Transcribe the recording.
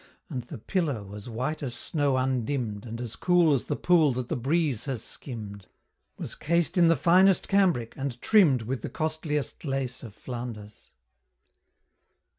And the pillow, as white as snow undimm'd And as cool as the pool that the breeze has skimmed, Was cased in the finest cambric, and trimm'd With the costliest lace of Flanders.